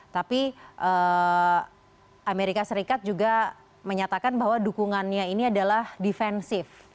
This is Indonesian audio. tapi amerika serikat juga menyatakan bahwa dukungannya ini adalah defensif